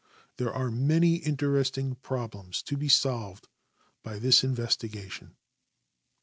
There are many interesting problems to be solved by this investigation.